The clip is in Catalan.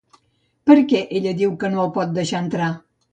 Per què ella diu que no el pot deixar entrar?